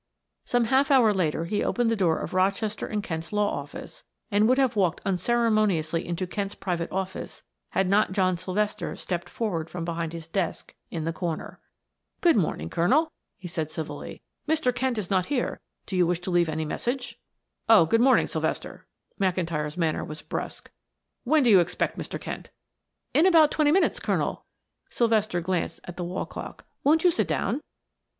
Some half hour later he opened the door of Rochester and Kent's law office and would have walked unceremoniously into Kent's private office had not John Sylvester stepped forward from behind his desk in the corner. "Good morning, Colonel," he said civilly. "Mr. Kent is not here. Do you wish to leave any message?" "Oh, good morning, Sylvester," McIntyre's manner was brusque. "When do you expect Mr. Kent?" "In about twenty minutes, Colonel." Sylvester glanced at the wall clock. "Won't you sit down?"